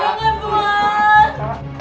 dimana topeng toleh